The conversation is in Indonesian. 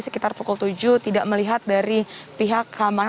sekitar pukul tujuh tidak melihat dari pihak keamanan